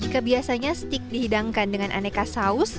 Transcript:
jika biasanya stik dihidangkan dengan aneka saus